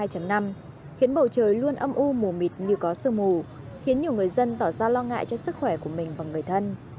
hãy đăng ký kênh để ủng hộ kênh của mình nhé